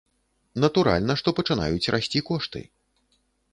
Натуральна, што пачынаюць расці кошты.